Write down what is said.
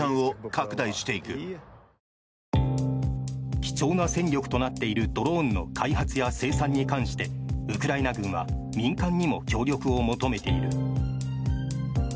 貴重な戦力となっているドローンの開発や生産に関してウクライナ軍は民間にも協力を求めている。